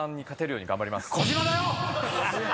児嶋だよ！